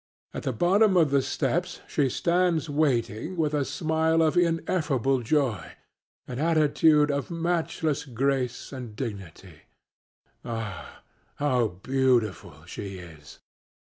At the bottom of the steps she stands waiting, with a smile of ineffable joy, an attitude of matchless grace and dignity. Ah, how beautiful she is!